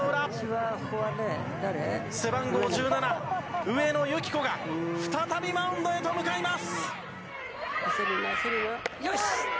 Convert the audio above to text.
背番号１７、上野由岐子が再びマウンドへと向かいます。